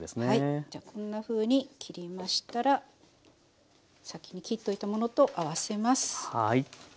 じゃあこんなふうに切りましたら先に切っておいたものと合わせます。